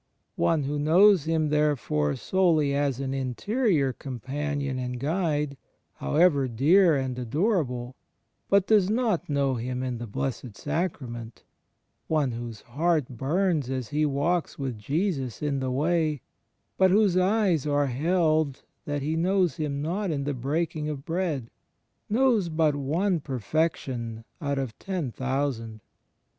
One who knows Him therefore solely as an Interior Companion and Guide, however dear and adorable, but does not know Him in the Blessed Sacrament — one whose heart bums as he walks with Jesus in the way, but whose eyes are held that he knows Him not in the breaking of Bread, knows but one perfection out of ten thousand.